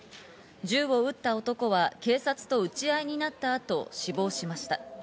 銃を撃った男は警察と撃ち合いになった後、死亡しました。